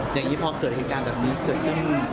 อย่างนี้พอเกิดเหตุการณ์แบบนี้เกิดขึ้น